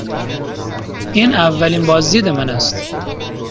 این اولین بازدید من است.